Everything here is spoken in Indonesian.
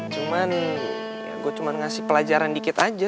cuman gue cuman ngasih pelajaran dikit aja